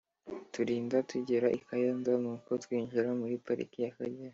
turinda tugera i kayonza nuko twinjira muri pariki y’akagera